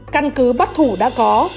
căn cứ bắt thủ đã có